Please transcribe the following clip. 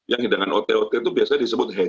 yang hidangan ote ote itu biasanya disebut hegemon